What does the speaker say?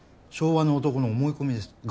昭和の男の思い込みです。